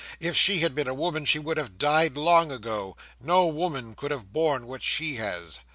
If she had been a woman she would have died long ago. No woman could have borne what she has."